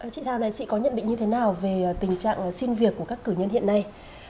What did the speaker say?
chị thao này chị có nhận định như thế nào về tình trạng xin việc của các cử nhân hiện nay